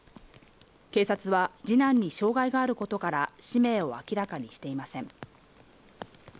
警察は二男に障害があることから氏名を明らかにしていません。